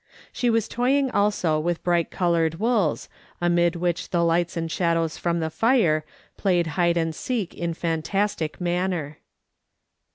She was toying also with bright coloured wools, amid which the lights and shadows from the fire played hide and seek in fantastic manner.